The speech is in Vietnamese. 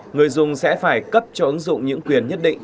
người dùng sẽ phải cấp cho ứng dụng những quyền nhất định